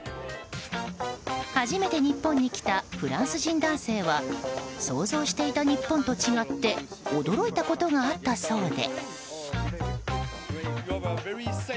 初めて日本に来たフランス人男性は想像していた日本と違って驚いたことがあったそうで。